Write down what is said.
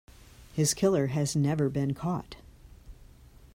His killer has never been caught.